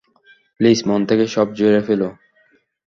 Please মন থেকে সব ঝেড়ে ফেলো!